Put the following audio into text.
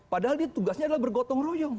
padahal dia tugasnya adalah bergotong royong